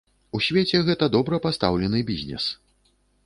У свеце гэта добра пастаўлены бізнес.